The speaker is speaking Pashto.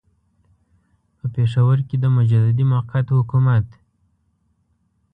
په پېښور کې د مجددي موقت حکومت.